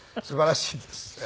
すばらしいです。